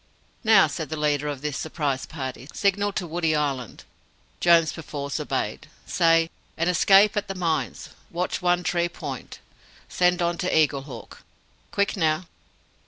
"Now," said the leader of this surprise party, "signal to Woody Island." Jones perforce obeyed. "Say, 'AN ESCAPE AT THE MINES! WATCH ONE TREE POINT! SEND ON TO EAGLEHAWK!' Quick now!"